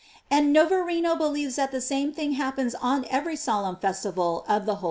^ And Nova rino believes that the same thing happens on every solemn festival of the holy Virgin.